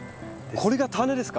これが種ですか？